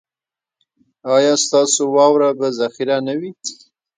ایا ستاسو واوره به ذخیره نه وي؟